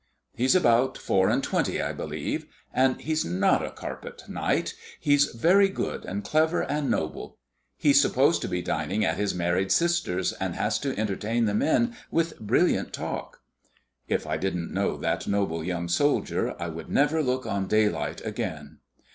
"He's about four and twenty, I believe; and he's not a carpet knight. He's very good, and clever, and noble. He's supposed to be dining at his married sister's, and has to entertain the men with brilliant talk." If I didn't know that noble young soldier, I would never look on daylight again!